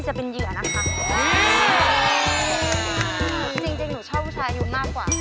จริงหนูชอบผู้ชายอยู่มากกว่า